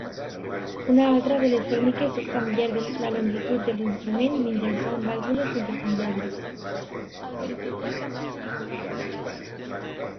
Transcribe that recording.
Una altra de les tècniques és canviar la longitud de l'instrument mitjançant vàlvules intercanviables.